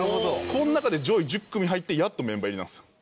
この中で上位１０組に入ってやっとメンバー入りなんですよ。